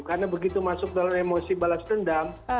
karena begitu masuk dalam emosi balas dendam